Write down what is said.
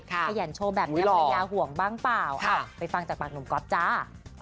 ขยันโชว์แบบนี้ภรรยาห่วงบ้างเปล่าไปฟังจากปากหนุ่มก๊อฟจ้า